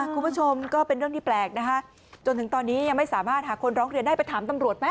คุณผู้ชมก็เป็นเรื่องที่แปลกนะคะจนถึงตอนนี้ยังไม่สามารถหาคนร้องเรียนได้ไปถามตำรวจไหม